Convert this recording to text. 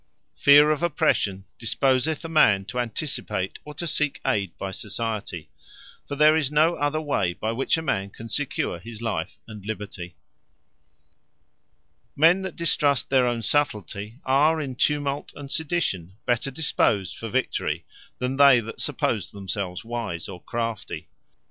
Promptnesse To Hurt, From Fear Feare of oppression, disposeth a man to anticipate, or to seek ayd by society: for there is no other way by which a man can secure his life and liberty. And From Distrust Of Their Own Wit Men that distrust their own subtilty, are in tumult, and sedition, better disposed for victory, than they that suppose themselves wise, or crafty.